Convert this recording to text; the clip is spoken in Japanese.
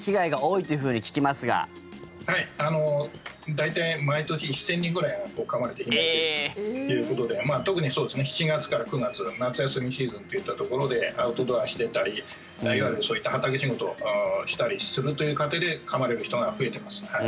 大体、毎年１０００人ぐらいはかまれて被害を受けているということで特に７月から９月夏休みシーズンといったところでアウトドアしていたりあるいは、そういった畑仕事したりするという過程でかまれる人が増えています。